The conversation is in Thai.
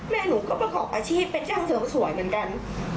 หนูก็ประกอบอาชีพเป็นช่างเสริมสวยเหมือนกัน